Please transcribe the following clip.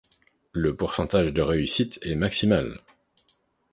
Le pourcentage de réussite est maximal.